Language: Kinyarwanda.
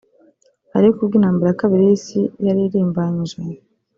Ariko ubwo intambara ya kabiri y’isi yaririmbanyije